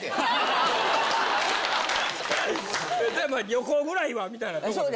旅行ぐらいはみたいなところですか？